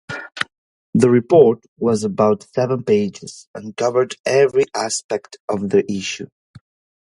The report was about seven pages, and covered every aspect of the issue.